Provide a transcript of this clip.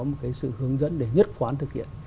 một cái sự hướng dẫn để nhất quán thực hiện